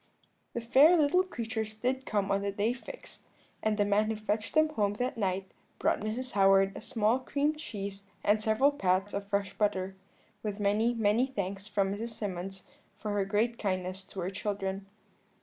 "The fair little creatures did come on the day fixed, and the man who fetched them home that night brought Mrs. Howard a small cream cheese and several pats of fresh butter, with many, many thanks from Mrs. Symonds for her great kindness to her children.